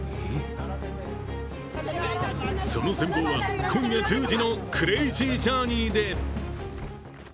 その全貌は今夜１０時の「クレイジージャーニー」で。